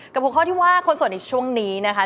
๖ข้อที่ว่าคนโสดในช่วงนี้นะคะ